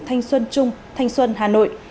thanh xuân trung thanh xuân hà nội